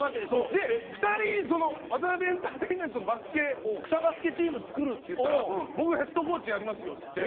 で２人「ワタナベエンターテインメントのバスケ草バスケチーム作る」って言ったら「僕がヘッドコーチやりますよ」っつって。